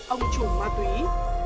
ông chủ ma túy